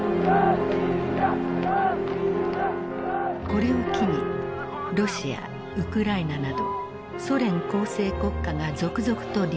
これを機にロシアウクライナなどソ連構成国家が続々と離反。